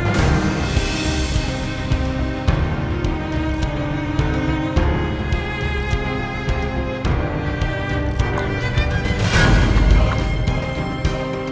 mendingan sekarang lu jawab